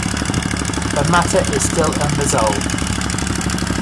The matter is still unresolved.